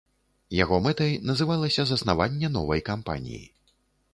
Яго мэтай называлася заснаванне новай кампаніі.